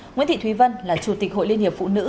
nguyễn thị thúy vân là chủ tịch hội liên hiệp phụ nữ